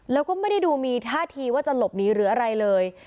แล้วก็ไม่ได้ดูมีท่าทีว่าจะหลบหนีหรืออะไรเลย